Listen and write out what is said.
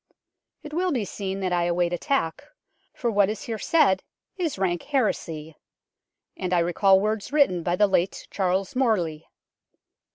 It will be seen that I await attack, for what is here said is rank heresy ; and I recall words written by the late Charles Morley.